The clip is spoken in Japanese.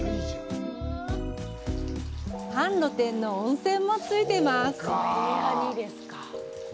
半露天の温泉もついています。